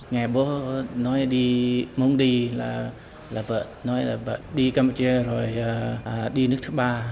ngày bố nói đi muốn đi là vợ nói là vợ đi campuchia rồi đi nước thứ ba